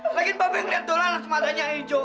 lagi babi ngeliat dolar sematanya hijau